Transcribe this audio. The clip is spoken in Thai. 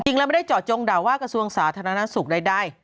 จริงแล้วไม่ได้เจาะจงด่าวว่ากระทรวงสาธารณสุขได้